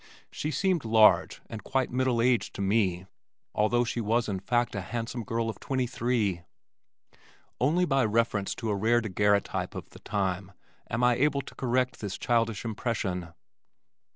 She seemed large and quite middle aged to me, although she was in fact a handsome girl of twenty three. Only by reference to a rare daguerreotype of the time am I able to correct this childish impression.